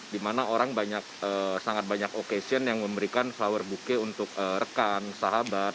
dimana orang banyak sangat banyak occasion yang memberikan flower bookie untuk rekan sahabat